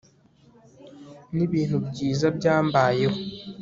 Nibintu byiza byambayeho